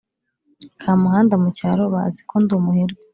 kamuhanda mucyaro baziko ndumuherwe